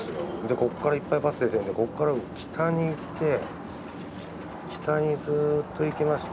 ここからいっぱいバス出てるんでここから北に行って北にずっと行きまして